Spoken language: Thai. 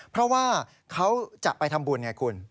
เพราะว่าเขาจะไปทำบุญไงคุณ